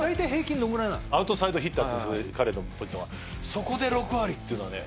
そこで６割っていうのはね